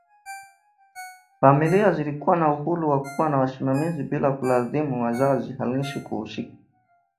Familia zilikuwa na uhuru wa kuwa na wasimamizi bila kulazimu wazazi halisi kuhusika